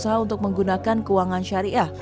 udara dan bnpb untuk menggunakan keuangan syariah